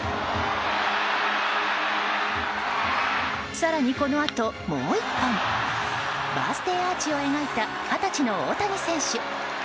更に、このあともう１本バースデーアーチを描いた二十歳の大谷選手。